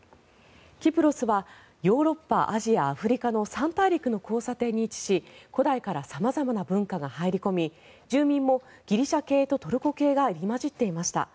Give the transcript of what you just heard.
キプロスはヨーロッパ、アジア、アフリカの３大陸の交差点に位置し古代から様々な文化が入り込み住民もギリシャ系とトルコ系が入り交じっていました。